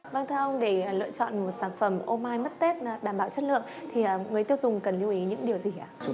băng thông để lựa chọn một sản phẩm ômai mất tết đảm bảo chất lượng